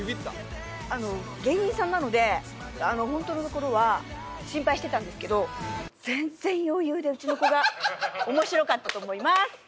芸人さんなので本当のところは心配してたんですけど全然余裕でうちの子が面白かったと思います！